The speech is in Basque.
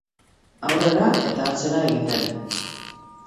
Aurrera eta atzera egiten.